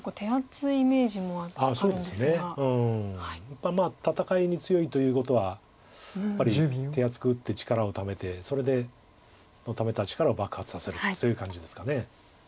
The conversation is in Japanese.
やっぱり戦いに強いということは手厚く打って力をためてそれでためた力を爆発させるそういう感じですか。